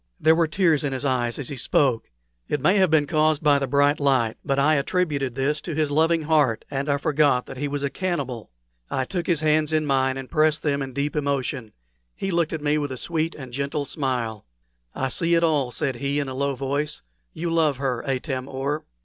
There were tears in his eyes as he spoke. It may have been caused by the bright light, but I attributed this to his loving heart, and I forgot that he was a cannibal. I took his hands in mine and pressed them in deep emotion. He looked at me with a sweet and gentle smile. "I see it all," said he, in a low voice "you love her, Atam or."